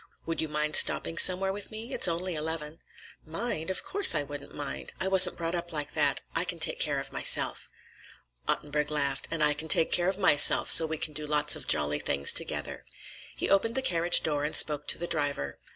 "Would you mind stopping somewhere with me? It's only eleven." "Mind? Of course, I wouldn't mind. I wasn't brought up like that. I can take care of myself." Ottenburg laughed. "And I can take care of myself, so we can do lots of jolly things together." He opened the carriage door and spoke to the driver.